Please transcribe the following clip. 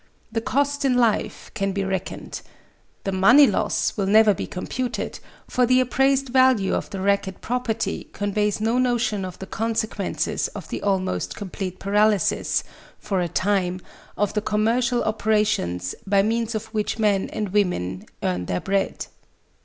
The cost in life can be reckoned. The money loss will never be computed, for the appraised value of the wrecked property conveys no notion of the consequences of the almost complete paralysis, for a time, of the commercial operations by means of which men and women earn their bread.